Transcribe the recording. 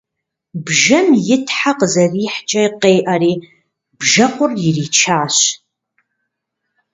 Бжэм и тхьэ къызэрихькӏэ къеӏэри бжэкъур иричащ.